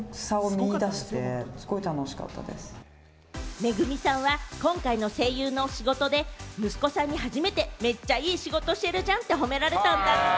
ＭＥＧＵＭＩさんは今回の声優の仕事で息子さんに初めて「めっちゃいい仕事してるじゃん」って褒められたんだって。